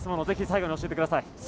ぜひ最後に教えてください。